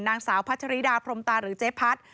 นางสาวพัชริดาพรมตาหรือเจ๊พัด